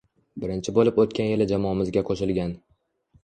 Birinchi bo‘lib o‘tgan yili jamoamizga qo‘shilgan